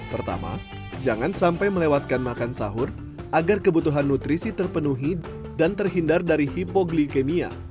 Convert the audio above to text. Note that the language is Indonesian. pertama jangan sampai melewatkan makan sahur agar kebutuhan nutrisi terpenuhi dan terhindar dari hipoglikemia